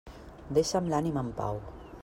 Deixa'm l'ànima en pau.